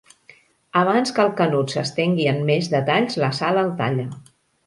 Abans que el Canut s'estengui en més detalls la Sal el talla.